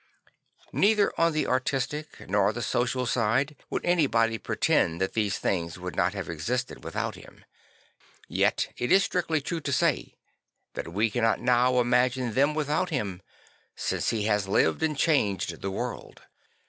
N ei ther on the artistic nor the social side would anybody pretend that these things would not have existed without him; yet it is strictly true to say that we cannot now imagine them without him; since he has lived and changed the world.